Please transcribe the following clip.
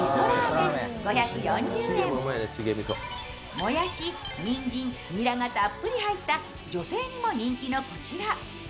もやし、にんじん、にらがたっぷり入った女性にも人気のこちら。